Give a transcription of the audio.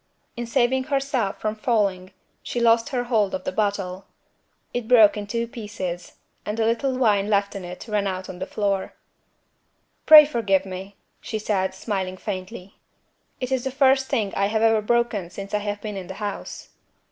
In saving herself from falling, she lost her hold of the bottle. It broke in two pieces, and the little wine left in it ran out on the floor. "Pray forgive me," she said, smiling faintly. "It is the first thing I have broken since I have been in the house."